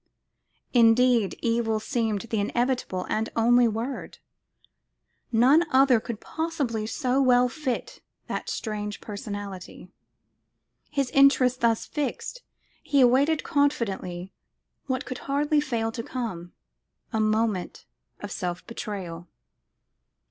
Indeed, evil seemed the inevitable and only word; none other could possibly so well fit that strange personality. His interest thus fixed, he awaited confidently what could hardly fail to come, a moment of self betrayal.